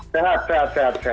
sehat sehat sehat